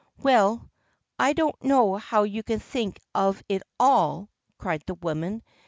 "Well, I don't know how you can think of it all!" cried the woman.